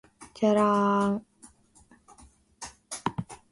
じゃらんーーーーー